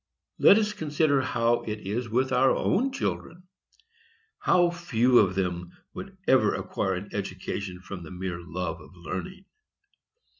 Let us consider how it is with our own children; how few of them would ever acquire an education from the mere love of learning.